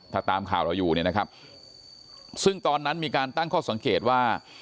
ถ้าตามข่าวเราอยู่เนี่ยนะครับซึ่งตอนนั้นมีการตั้งข้อสังเกตว่า